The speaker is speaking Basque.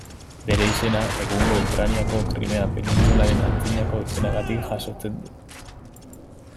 Bere izena egungo Ukrainako Krimea penintsularen antzinako izenagatik jasotzen du.